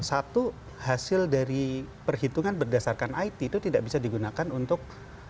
satu hasil dari perhitungan berdasarkan it itu tidak bisa digunakan untuk